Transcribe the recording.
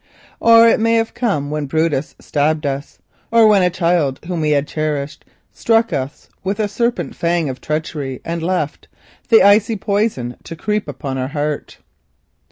It may have come when Brutus stabbed us, or when a child whom we had cherished struck us with a serpent fang of treachery and left the poison to creep upon our heart.